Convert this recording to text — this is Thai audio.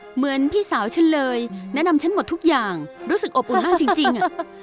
เหมือนพี่สาวฉันเลยแนะนำฉันหมดทุกอย่างรู้สึกอบอุ่นมากจริง